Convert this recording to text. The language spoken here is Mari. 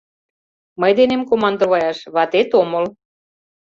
— Мый денем командоваяш ватет омыл!